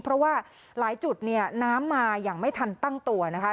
เพราะว่าหลายจุดเนี่ยน้ำมาอย่างไม่ทันตั้งตัวนะคะ